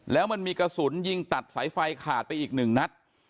แล้วมันมีกระสุนยิงตัดสายไฟขาดไปอีกหนึ่งนัด